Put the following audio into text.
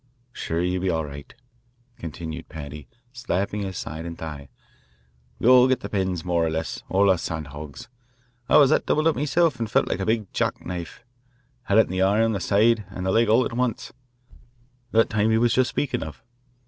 Sure, ye'll be all right," continued Paddy, slapping his side and thigh. "We all get the bends more or less all us sand hogs. I was that doubled up meself that I felt like a big jack knife. Had it in the arm, the side, and the leg all at once, that time he was just speakin' of.